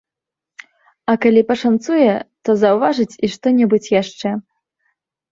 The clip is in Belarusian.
А калі пашанцуе, то заўважыць і што-небудзь яшчэ.